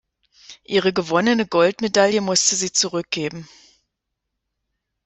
Ihre gewonnene Goldmedaille musste sie zurückgeben.